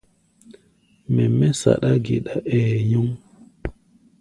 Mɛ mɛ́ saɗá-geɗa, ɛɛ nyɔŋ.